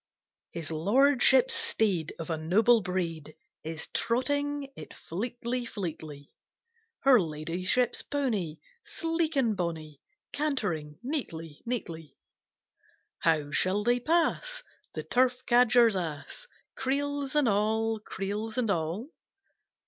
HIS Lordship's Steed Of a noble breed Is trotting it fleetly, fleetly, Her Ladyship's pony, Sleek and bonny, Cantering neatly, neatly. How shall they pass The Turf Cadger's Ass, Creels and all, creels and all?